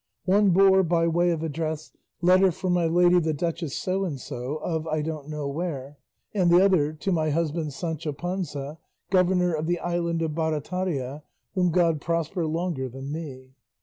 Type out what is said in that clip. One bore by way of address, Letter for my lady the Duchess So and so, of I don't know where; and the other To my husband Sancho Panza, governor of the island of Barataria, whom God prosper longer than me.